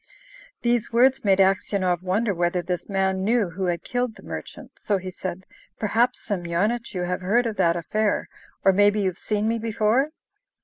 These words made Aksionov wonder whether this man knew who had killed the merchant; so he said, "Perhaps, Semyonich, you have heard of that affair, or maybe you've seen me before?"